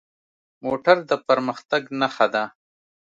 موټر د پرمختګ نښه ده.